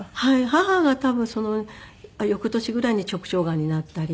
母が多分その翌年ぐらいに直腸がんになったり。